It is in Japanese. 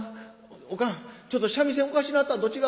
おかんちょっと三味線おかしなったんと違うか？